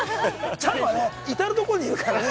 ちゃんは至るところにいるからね。